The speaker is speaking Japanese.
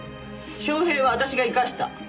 昌平は私が生かした。